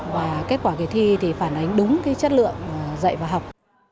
và kết quả kỳ thi thì phản ánh đúng chất lượng dạy và học